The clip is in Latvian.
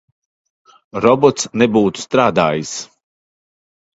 Robots nebūtu strādājis.